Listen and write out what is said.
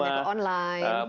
ya lebih banyak yang online